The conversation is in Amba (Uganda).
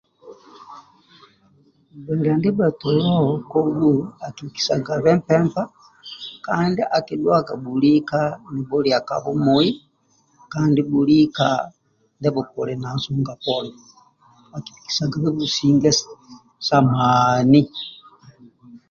Gbeliya ndibhetolo kobhu akibhikisagabhe mpempa akidhuwaga bhulika nibhulya ka bhumui kandi bhulika ndubhukuli na nsonga poni